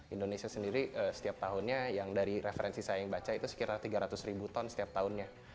indonesia sendiri setiap tahunnya yang dari referensi saya yang baca itu sekitar tiga ratus ribu ton setiap tahunnya